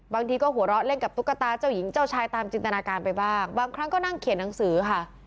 บางทีก็หัวเราะเล่นกับตุ๊กตาเจ้าหญิงเจ้าชายตามจินตนาการไปบ้างบางครั้งก็นั่งเขียนหนังสือค่ะ